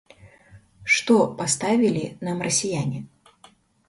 Што паставілі нам расіяне?